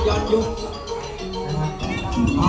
อาจารย์สะเทือนครูดีศิลปันติน